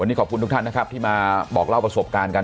วันนี้ขอบคุณทุกท่านนะครับที่มาบอกเล่าประสบการณ์กัน